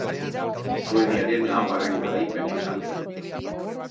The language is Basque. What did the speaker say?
Suediaren laugarren garaipena izan zen.